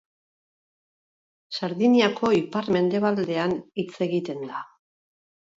Sardiniako ipar-mendebaldean hitz egiten da.